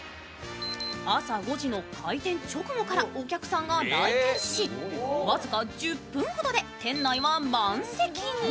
朝５時の開店直後からお客さんが来店しわずか１０分ほどで店内は満席に。